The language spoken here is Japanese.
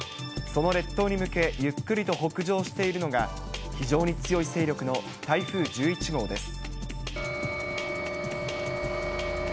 その列島に向け、ゆっくりと北上しているのが、非常に強い勢力の台風１１号です。